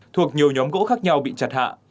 thuộc nhiều nhóm gỗ khác nhau bị chặt hạ